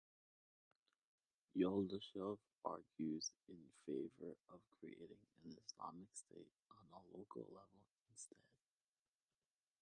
Yo'ldoshev argues in favor of creating an Islamic state on a local level instead.